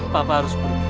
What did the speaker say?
papa harus pergi